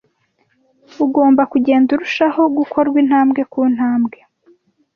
ugomba kugenda urushaho gukorwa intambwe ku ntambwe